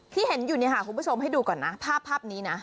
ที่เห็นอยู่เนี่ยค่ะคุณผู้ชมให้ดูก่อนนะภาพนี้นะ